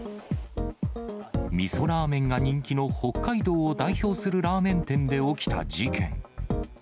みそラーメンが人気の北海道を代表するラーメン店で起きた事件。